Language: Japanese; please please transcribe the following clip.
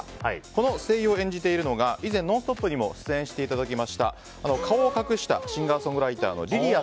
この声優を演じているのが以前、「ノンストップ！」にも出演していただきました顔を隠したシンガーソングライターのりりあ。